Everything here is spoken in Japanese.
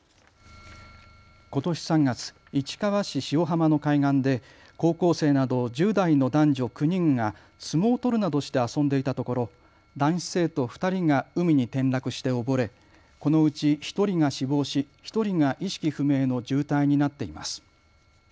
ことし３月、市川市塩浜の海岸で高校生など１０代の男女９人が相撲を取るなどして遊んでいたところ男子生徒２人が海に転落して溺れこのうち１人が死亡し、１人が意識不明の重体になっています。